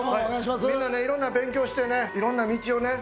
みんなねいろんな勉強してねいろんな道をね